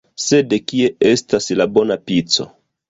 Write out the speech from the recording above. Sed kie estas la bona pico?